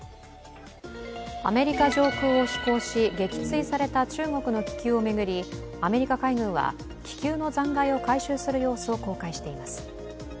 アメリカ上空を飛行し撃墜された中国の気球を巡りアメリカ海軍は気球の残骸を回収する様子を公開しています。